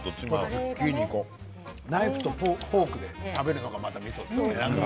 ナイフとフォークで食べるのが、みそですね。